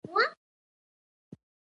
د دې حیوان رنګ د چاپېریال سره ځان پټوي.